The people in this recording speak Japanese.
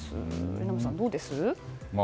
榎並さん、どうです？